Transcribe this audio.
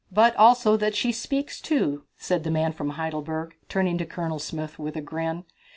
"But also that she speaks, too," said the man from Heidelberg, turning to Colonel Smith with a grin.